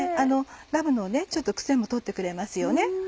ラムのちょっとクセも取ってくれますよね。